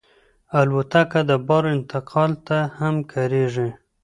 الوتکه د بار انتقال ته هم کارېږي.